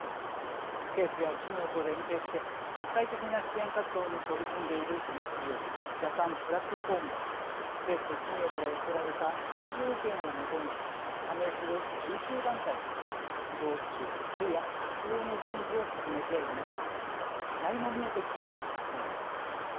政府や企業と連携して国際的な支援活動に取り組んでいるＮＧＯジャパン・プラットフォームは政府と企業から寄せられた４０億円をもとに加盟する１９団体が活動中あるいは活動の準備を進めていますが課題も見えてきたと言います。